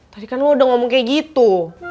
tadi kan lo udah ngomong kayak gitu